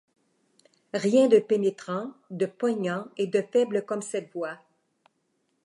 Rien de pénétrant, de poignant et de faible comme cette voix.